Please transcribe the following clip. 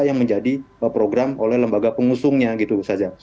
yang menjadi program oleh lembaga pengusungnya gitu saja